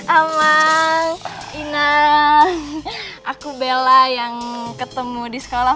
amang inang aku bella yang ketemu di sekolah